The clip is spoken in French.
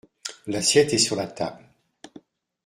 L’assiette est sur la table.